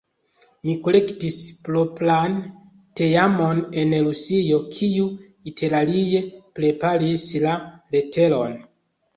Mi kolektis propran teamon en Rusio, kiu interalie preparis la leteron.